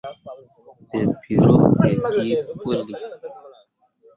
Dǝ mbǝro be gii ɓo puli.